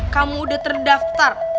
kamu udah terdaftar